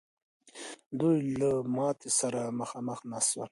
دوی له ماتي سره مخامخ نه سول.